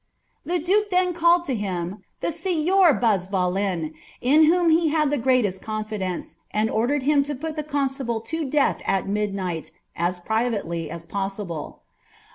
The duke then called to him the Sieur Bazvalen, in whom he had the greatest confidence, and ordered him to put the constable to death at midnight, as privately as possible.